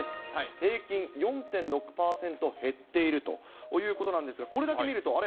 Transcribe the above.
平均４．６％減っているということなんですが、これだけ見ると、あれ？